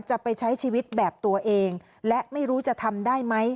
จะไปใช้ชีวิตแบบตัวเองและไม่รู้จะทำได้ไหม